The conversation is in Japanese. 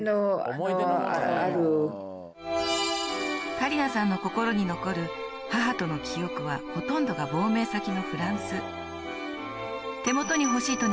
カリナさんの心に残る母との記憶はほとんどが亡命先のフランス手元に欲しいと願ったのは